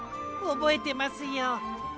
おぼえてますよ。